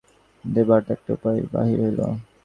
দৈবাৎ একটা উপায় বাহির হইল।